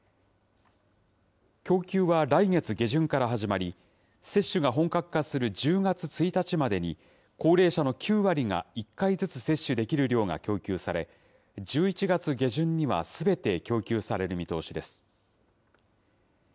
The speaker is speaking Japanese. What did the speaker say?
供給は来月下旬から始まり、接種が本格化する１０月１日までに、高齢者の９割が１回ずつ接種できる量が供給され、１１月下旬にはすべて供給される見通しです。